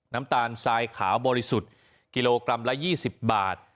น้ำตาลทรายขาวบริสุทธิ์กิโลกรัมละ๒๐บาท